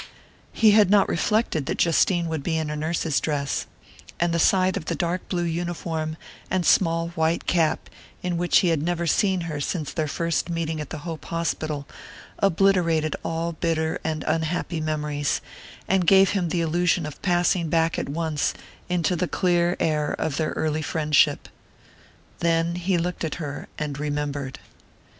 He had not reflected that Justine would be in her nurse's dress; and the sight of the dark blue uniform and small white cap, in which he had never seen her since their first meeting in the Hope Hospital, obliterated all bitter and unhappy memories, and gave him the illusion of passing back at once into the clear air of their early friendship. Then he looked at her and remembered.